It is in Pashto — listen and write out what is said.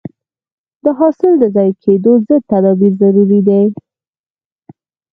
د حاصل د ضایع کېدو ضد تدابیر ضروري دي.